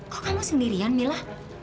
kok kamu sendirian mila